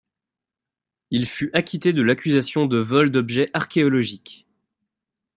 Il fut acquitté de l'accusation de vols d'objets archéologiques.